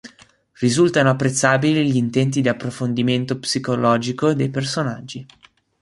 Risultano apprezzabili gli intenti di approfondimento psicologico dei personaggi.